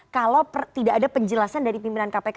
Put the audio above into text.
kalau tidak ada penjelasan dari pimpinan kpk